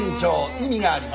意味がありません。